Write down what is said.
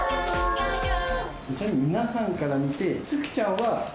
皆さんから見て。